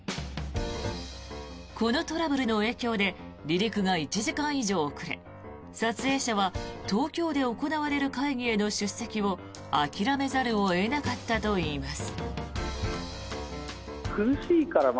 このトラブルの影響で離陸が１時間以上遅れ撮影者は東京で行われる会議への出席を諦めざるを得なかったといいます。